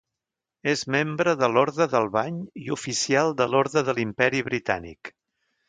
És membre de l'Orde del Bany i oficial de l'Orde de l'Imperi Britànic.